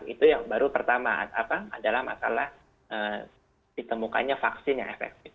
itu yang baru pertama adalah masalah ditemukannya vaksin yang efektif